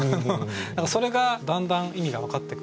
それがだんだん意味が分かってくるっていう。